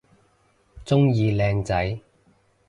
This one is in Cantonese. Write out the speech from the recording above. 鍾意靚仔